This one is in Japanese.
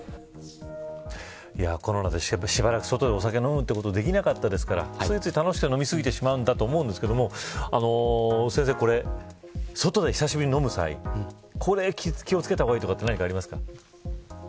コロナで、しばらく外でお酒を飲むことができなかったですからついつい、楽しくて飲み過ぎてしまんだと思うんですけど先生、これ外で久しぶりに飲む際これ気を付けた方がいいとかって何かありますか。